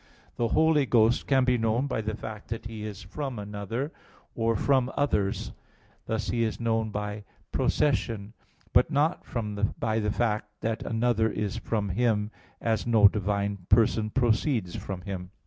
The Holy Ghost can be known by the fact that He is from another, or from others; thus He is known by "procession"; but not by the fact that another is from Him, as no divine person proceeds from Him.